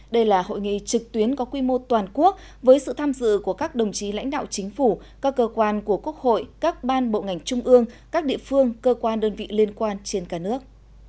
đây là hội nghị trực tuyến có quy mô toàn quốc với sự tham dự của các đồng chí lãnh đạo chính phủ các cơ quan của quốc hội các ban bộ ngành trung ương các địa phương cơ quan đơn vị liên quan trên cả nước